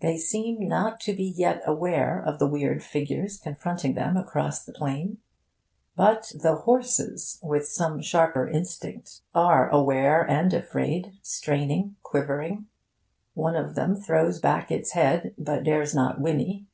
They seem not to be yet aware of the weird figures confronting them across the plain. But the horses, with some sharper instinct, are aware and afraid, straining, quivering. One of them throws back its head, but dares not whinny.